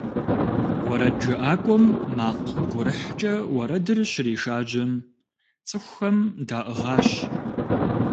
УэрэджыӀакӀуэм макъ гурыхькӀэ уэрэдыр щришажьэм, цӏыхухэм даӏыгъащ.